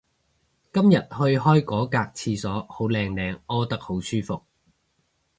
今日去開嗰格廁所好靚靚屙得好舒服